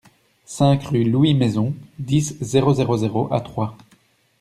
cinq rue Louis Maison, dix, zéro zéro zéro à Troyes